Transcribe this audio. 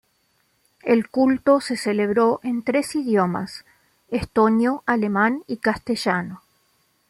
El culto se celebró en tres idiomas: estonio, alemán y castellano.